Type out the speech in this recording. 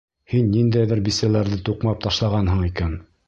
Һин ниндәйҙер бисәләрҙе туҡмап ташлағанһың икән.